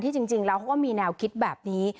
จริงแล้วเขาก็มีแนวคิดแบบนี้